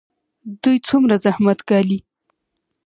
دوی څومره زحمت ګالي؟